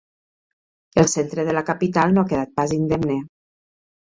El centre de la capital no ha quedat pas indemne.